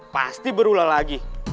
pasti berulang lagi